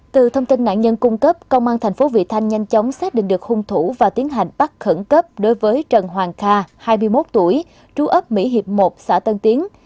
từ thông tin nạn nhân cung cấp công an thành phố vị thanh nhanh chóng xác định được hung thủ và tiến hành bắt khẩn cấp đối với trần hoàng kha hai mươi một tuổi trú ấp mỹ hiệp một xã tân tiến